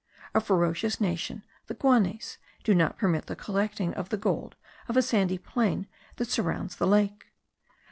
A ferocious nation, the Guanes, do not permit the collecting of the gold of a sandy plain that surrounds the lake.